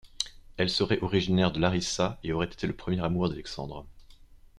Elle serait originaire de Larissa, et aurait été la premier amour d'Alexandre.